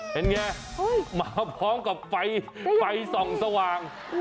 เห็นไงมาพร้อมกับไฟส่องสว่าง